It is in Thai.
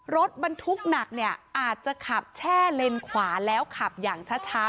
รถบรรทุกหนักเนี่ยอาจจะขับแช่เลนขวาแล้วขับอย่างช้า